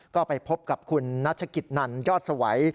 ก็ไปพบกับคุณนัชกิจนันยอดสวัย